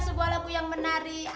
sebuah lagu yang menarik